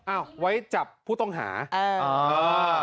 อ้าวไว้จับผู้ต้องหาเอออ่า